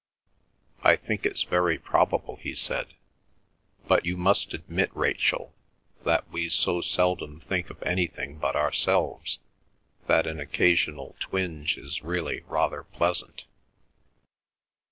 "I think it's very probable," he said. "But you must admit, Rachel, that we so seldom think of anything but ourselves that an occasional twinge is really rather pleasant."